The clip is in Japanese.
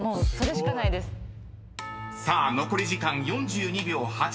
［さあ残り時間４２秒８５］